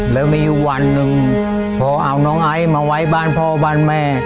แล้วมีอยู่วันหนึ่งพอเอาน้องไอซ์มาไว้บ้านพ่อบ้านแม่